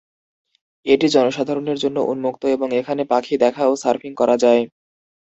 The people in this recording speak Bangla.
এটি জনসাধারণের জন্য উন্মুক্ত এবং এখানে পাখি দেখা ও সার্ফিং করা যায়।